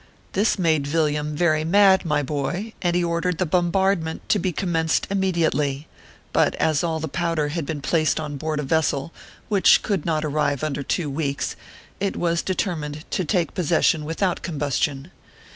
This made Villiam very mad, my boy, and he or dered the bombardment to be commenced immediate ly ; but as all the powder had been placed on board a vessel which could not arrive under two weeks, it was determined to take possession without combustion.